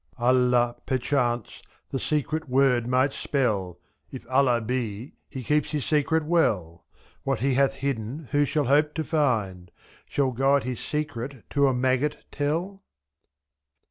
Allah, perchance, the secret word might spell ; If Allah be. He keeps His secret well ; ^c.What He hath hidden, who shall hope to find? Shall God His secret to a maggot tell?